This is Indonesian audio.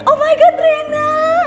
oh tuhan rena